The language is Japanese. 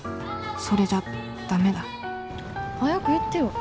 それじゃダメだ早く言ってよ。